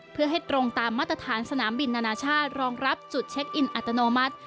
เพื่อให้ตรงตามมาตรฐานสนามบินนานาชาติรองรับจุดเช็คอินอัตโนมัติ